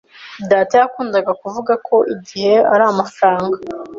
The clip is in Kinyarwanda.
Data yakundaga kuvuga ko igihe ari amafaranga.